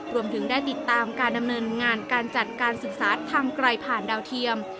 รวมถึงได้ติดตามการดำเนินงานการจัดการศึกษาทางไกลผ่านดาวเทียม